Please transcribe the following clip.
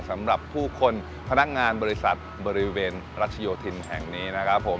สำหรับผู้คนพนักงานบริษัทบริเวณรัชโยธินแห่งนี้นะครับผม